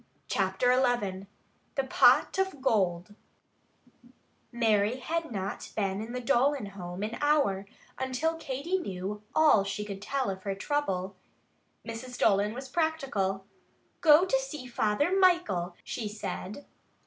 Chapter XI THE POT OF GOLD Mary had not been in the Dolan home an hour until Katy knew all she could tell of her trouble. Mrs. Dolan was practical. "Go to see Father Michael," she said.